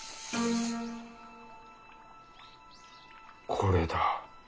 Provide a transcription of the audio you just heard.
これだ。